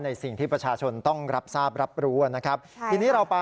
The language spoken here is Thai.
ในสิ่งที่ประชาชนต้องรับทราบรับรู้